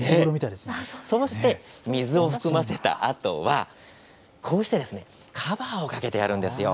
そうして水を含ませたあとはこうしてカバーをかけてやるんです。